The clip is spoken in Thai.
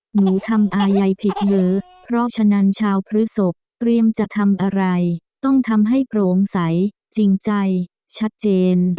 หนูทำอายัยผิดเยอะเพราะฉะนั้นชาวพฤศพเตรียมจะทำอะไรต้องทำให้โปร่งใสจริงใจชัดเจน